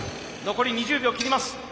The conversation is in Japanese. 残り２０秒切ります。